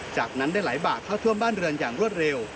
จากนั้นได้ไหลบากเข้าท่วมบ้านเรือนอย่างรวดเร็ว